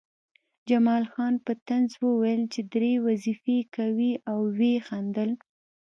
جمال خان په طنز وویل چې درې وظیفې کوې او ویې خندل